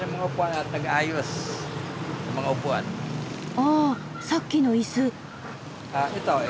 ああさっきの椅子。